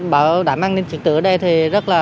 bảo đảm an ninh trật tự ở đây thì rất là